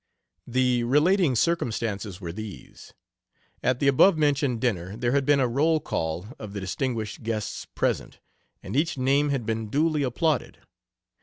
The "relating circumstances" were these: At the abovementioned dinner there had been a roll call of the distinguished guests present, and each name had been duly applauded.